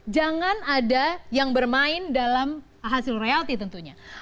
jangan ada yang bermain dalam hasil royalti tentunya